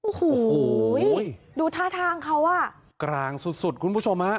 โอ้โหดูท่าทางเขาอ่ะกลางสุดสุดคุณผู้ชมฮะ